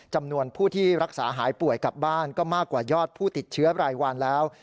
จำนวนผู้ที่รักษาหายป่วยกลับบ้านก็มากกว่ายอดผู้ติดเชื้อรายวันแล้ว